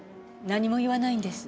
何も言わないんです。